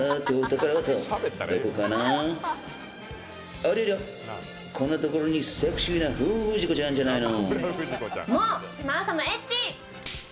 ありゃりゃ、こんなところにセクシーな不二子ちゃんじゃないの。